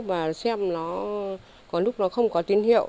và xem nó có lúc nó không có tín hiệu